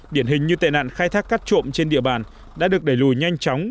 điển hình như tệ nạn khai thác cát trộm trên địa bàn đã được đẩy lùi nhanh chóng